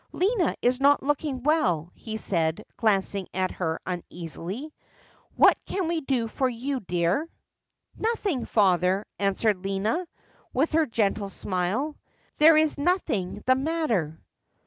' Lina is not looking vvell,' he said, glancing at her uneasily ;' what can we do for you, dear ?' 'Nothing, father,' answered Lina, with her gentle smile ;' there is nothing the matter.'